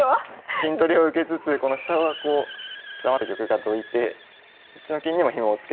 金取りを受けつつこの飛車はこう邪魔だった玉がどいてこっちの金にもヒモをつけてるという。